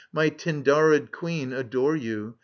My Tyndarid Queen, adore you.